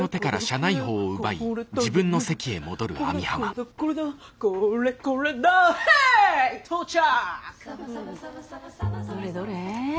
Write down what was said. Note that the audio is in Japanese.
どれどれ？